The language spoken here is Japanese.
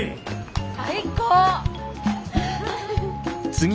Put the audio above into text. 最高！